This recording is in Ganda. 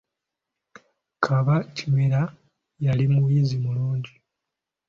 Kaba Kimera yali muyizzi mulungi.